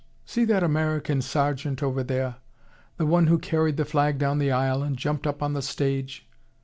See that American sergeant over there the one who carried the flag down the aisle and jumped up on the stage?"